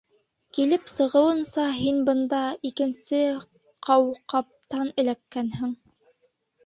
— Килеп сығыуынса, һин бында икенсе ҡауҡабтан эләккәнһең?